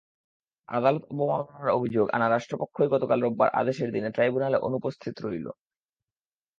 আদালত অবমাননার অভিযোগ আনা রাষ্ট্রপক্ষই গতকাল রোববার আদেশের দিনে ট্রাইব্যুনালে অনুপস্থিত রইল।